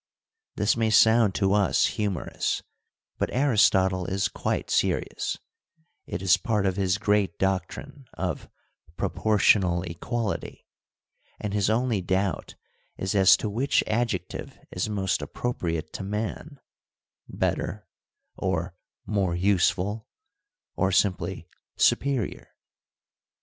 This may sound to us humorous, but Aristotle is quite serious : it is part of his great doctrine of ' proportional equality '; and his only doubt is as to which adjective is most appropriate to man, ' better,' or ' more useful, ' or simply ' superior.'